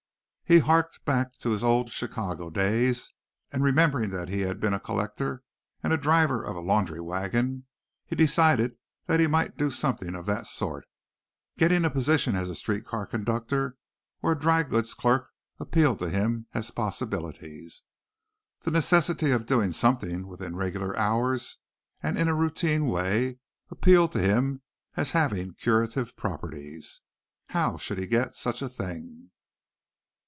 He harked back to his old Chicago days and remembering that he had been a collector and a driver of a laundry wagon, he decided that he might do something of that sort. Getting a position as a street car conductor or a drygoods clerk appealed to him as possibilities. The necessity of doing something within regular hours and in a routine way appealed to him as having curative properties. How should he get such a thing?